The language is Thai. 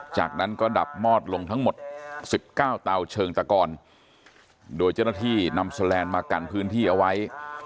จากนั้นก็ดับมอดลงทั้งหมด๑๙เตาเชิงตะกอนโดยเจ้าหน้าที่นำแสลนด์มากันพื้นที่เอาไว้